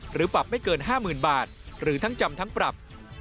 ปรับไม่เกิน๕๐๐๐บาทหรือทั้งจำทั้งปรับ